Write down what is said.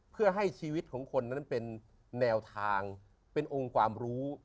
เพื่อให้ชีวิตของคนนั้นเป็นแนวทางเป็นองค์ความรู้